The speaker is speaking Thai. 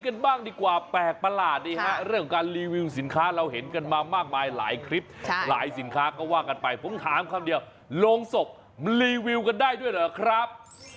กันบ้างดีกว่าแปลกประหลาดดีฮะเรื่องการรีวิวสินค้าเราเห็นกันมามากมายหลายคลิปหลายสินค้าก็ว่ากันไปผมถามคำเดียวโรงศพมันรีวิวกันได้ด้วยเหรอครับ